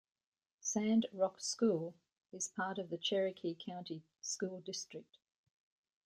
Sand Rock School is part of the Cherokee County School District.